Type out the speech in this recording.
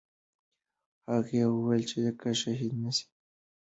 هغې وویل چې که شهید نه سي، بې ننګۍ ته ساتل کېږي.